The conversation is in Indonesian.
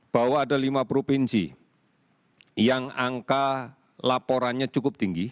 bahwa ada lima provinsi yang angka laporannya cukup tinggi